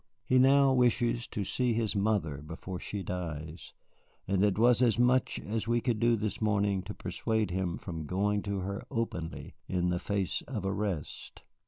He now wishes to see his mother before she dies, and it was as much as we could do this morning to persuade him from going to her openly in the face of arrest."